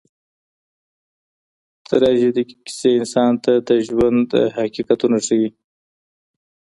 تراژیدي کیسې انسان ته د ژوند حقیقت ښیي.